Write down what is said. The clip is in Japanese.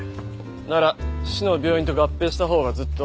なら市の病院と合併したほうがずっと。